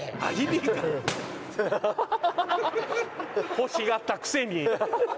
欲しがったくせに。